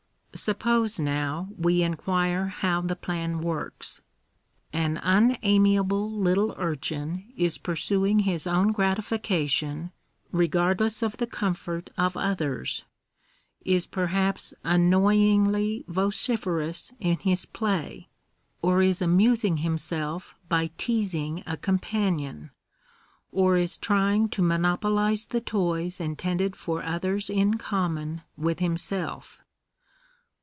Suppose, now, we inquire how the plan works. An unamiable little urchin is pursuing his own gratification regardless of the comfort of others — is perhaps annoyingly vociferous in his play; or is amusing himself by teasing a companion ; or is trying to monopolize the toys intended for others in common with him self.